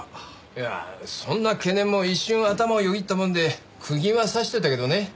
いやそんな懸念も一瞬頭をよぎったもんで釘は刺しておいたけどね。